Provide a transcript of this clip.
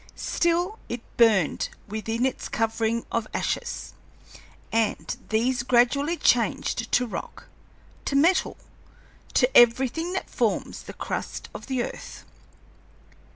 Still it burned within its covering of ashes, and these gradually changed to rock, to metal, to everything that forms the crust of the earth."